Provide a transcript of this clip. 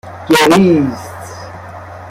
گریست